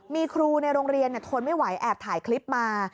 มีครูในโรงเรียนทนไม่ไหวแอบถ่ายคลิปมา